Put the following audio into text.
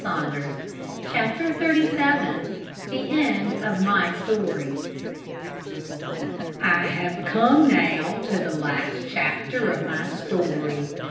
CHAPTER XXXVII THE END OF MY STORY I have come now to the last chapter of my story.